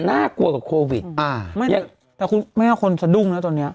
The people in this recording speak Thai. น่ากลัวกับโควิดอ่าไม่แต่คุณแม่คนสะดุ้งนะตอนเนี้ย